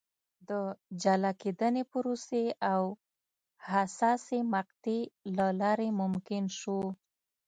د جلا کېدنې پروسې او حساسې مقطعې له لارې ممکن شو.